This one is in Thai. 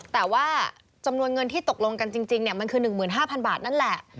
แต่ว่าจำนวนเงินที่ตกลงกันจริงมันคือ๑๕๐๐บาทนั่นแหละ